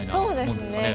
そうですね。